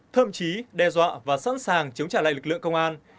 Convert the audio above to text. thậm chí đe dọa và sẵn sàng chống trả lại lực lượng công an